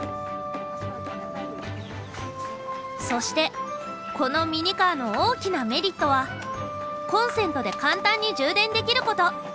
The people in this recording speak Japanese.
そしてこのミニカーの大きなメリットはコンセントで簡単に充電できること！